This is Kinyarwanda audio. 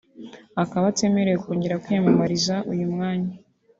akaba atemerewe kongera kwiyamamariza uyu mwanya